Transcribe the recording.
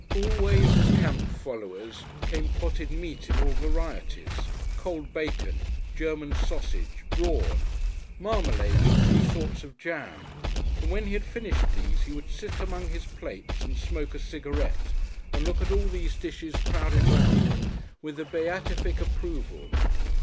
Always as camp followers came potted meat in all varieties, cold bacon, German sausage, brawn, marmalade and two sorts of jam, and when he had finished these he would sit among his plates and smoke a cigarette and look at all these dishes crowded round him with a beatific approval.